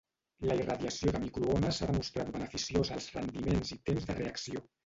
La irradiació de microones s'ha demostrat beneficiosa als rendiments i temps de reacció.